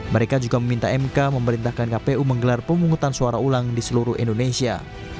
mereka juga meminta mk memerintahkan kpu menggelar pemungutan suara ulang di seluruh indonesia